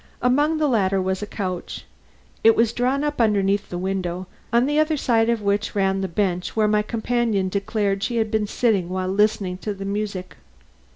Among the latter was a couch. It was drawn up underneath the window, on the other side of which ran the bench where my companion declared she had been sitting while listening to the music.